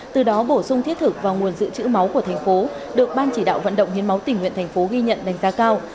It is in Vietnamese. từ đó bổ sung thiết thực vào nguồn dự trữ máu của thành phố được ban chỉ đạo vận động hiến máu tỉnh nguyện thành phố ghi nhận đánh giá cao